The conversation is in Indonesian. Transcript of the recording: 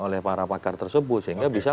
oleh para pakar tersebut sehingga bisa